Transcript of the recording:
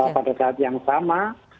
pada saat yang sama